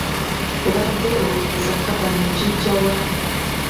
Obadde olowooza kkapa nagiggya wa?